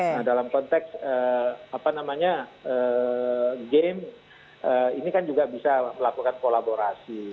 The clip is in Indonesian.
nah dalam konteks apa namanya game ini kan juga bisa melakukan kolaborasi